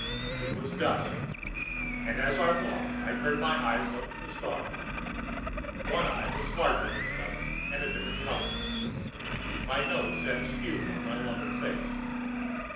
It was dusk, and as I walked I turned my eyes up to the stars. One eye was larger than the other, and a different color. My nose sat askew on my lumpen face.